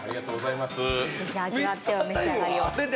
ぜひ、味わってお召し上がりを。